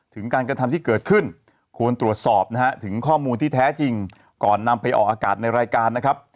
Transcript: ถึงการกระทำที่เกิดขึ้นควรตรวจสอบนะฮะถึงข้อมูลที่แท้จริงก่อนนำไปออกอากาศในรายการนะครับ